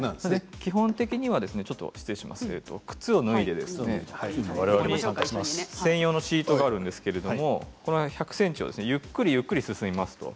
基本的には、靴を脱いでですね専用のシートがあるんですけれども１００ｃｍをゆっくりゆっくり進みます。